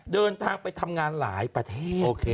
เดินทางไปทำงานหลายประเทศ